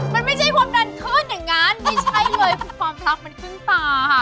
มันไม่ใช่ความดันขึ้นอย่างนั้นไม่ใช่เลยคือความรักมันขึ้นตาค่ะ